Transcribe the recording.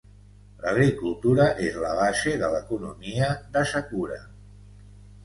L'agricultura és la base de l'economia d'Asakura.